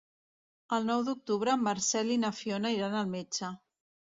El nou d'octubre en Marcel i na Fiona iran al metge.